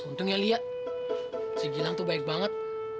untung ya li ya si gilang tuh baik banget